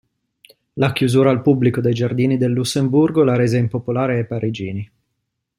La chiusura al pubblico dei Giardini del Lussemburgo la rese impopolare ai parigini.